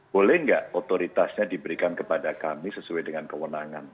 boleh nggak otoritasnya diberikan kepada kami sesuai dengan kewenangan